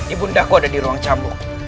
ibu ndaku ada di ruang cambuk